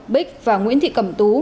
bích và nguyễn thị cẩm tú